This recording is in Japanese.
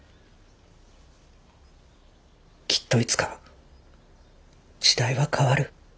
きっといつか時代は変わる。